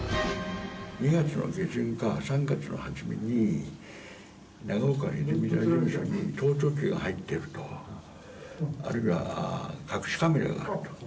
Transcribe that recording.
２月の下旬か３月の初めに、長岡の泉田事務所に盗聴器が入っていると、あるいは隠しカメラがあると。